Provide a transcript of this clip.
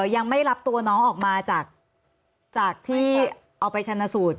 ยังไม่รับตัวน้องออกมาจากที่เอาไปชนะสูตร